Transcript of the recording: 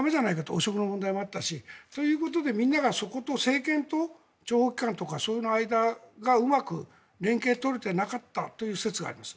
汚職の問題もあったしということでみんながそこと諜報機関との間が連携が取れていなかったという説があります。